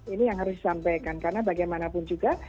ini yang harus disampaikan karena bagaimanapun juga